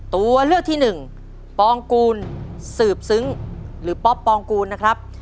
ตัวเลือกที่หนึ่งปองกูลสืบซึ้งหรือป๊อปปองกูลนะครับ